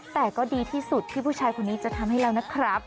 แต่ก็ดีที่สุดที่ผู้ชายคนนี้จะทำให้เรานะครับ